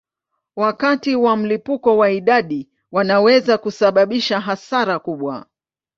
Wakati wa mlipuko wa idadi wanaweza kusababisha hasara kubwa.